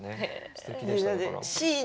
すてきでした。